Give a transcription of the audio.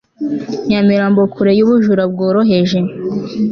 nyamirambo kure y'ubujura bworoheje